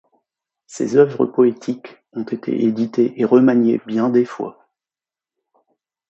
Ces œuvres poétiques ont été éditées et remaniées bien des fois.